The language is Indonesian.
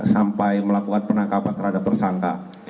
sampai melakukan penangkapan terhadap tersangka